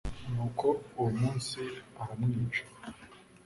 Nuko uwo munsi aramwica